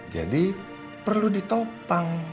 jadi perlu ditopang